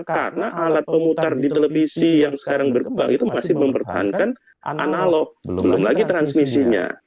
karena alat pemutar di televisi yang sekarang berkembang itu masih mempertahankan analog belum lagi transmisinya